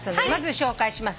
紹介します。